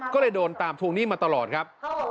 ก็เลยโดนตามทวงหนี้มาตลอดครับ